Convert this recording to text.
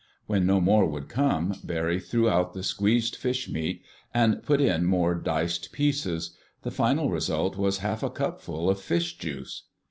When no more would come, Barry threw out the squeezed fish meat and put in more diced pieces. The final result was half a cupful of fish juice.